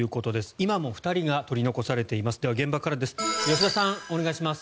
今も２人が取り残されています。